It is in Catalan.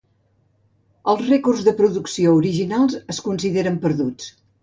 Els rècords de producció originals es consideren perduts.